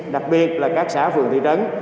đặc biệt là các xã phường thị trấn